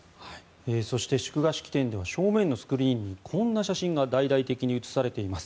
そして祝賀式典では正面のスクリーンにこんな写真が大々的に写されているんです。